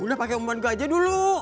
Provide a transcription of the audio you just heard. udah pake umpan gajah dulu